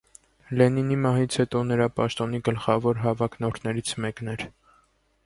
Լենինի մահից հետո նրա պաշտոնի գլխավոր հավակնորդներից մեկն էր։